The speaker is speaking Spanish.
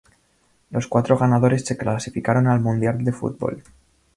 Los cuatro ganadores se clasificaron al Mundial de Fútbol.